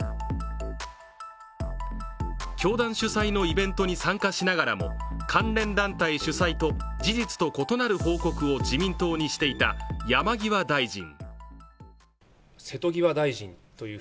教団主催のイベントに参加しながらも関連団体主催と事実と異なる報告を自民党にしていた山際大臣。